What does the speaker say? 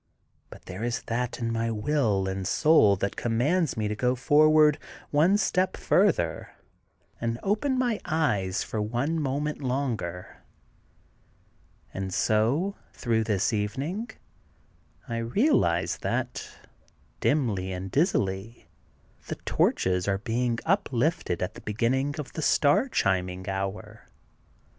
But there is that in my will and my soul that com mands me to go forward one step further, and open my eyes for one moment longer. And so through this evening I realize that, dimly and dizzily, the torches are being up THE GOLDEN BOOK OF SPRINGFIELD 289 lifted at the beginning of the star chiming hour.